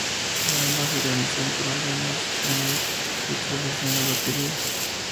En ambas se organizan procesiones, gremios y la tradicional vaquería.